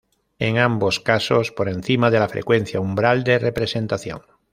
En ambos casos por encima de la frecuencia umbral de representación.